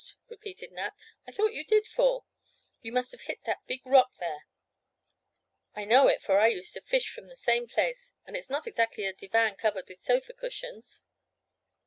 repeated Nat, "I thought you did fall—you must have hit that big rock there. I know it for I used to fish from the same place, and it's not exactly a divan covered with sofa cushions."